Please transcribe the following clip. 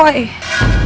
tidak ada yang nge review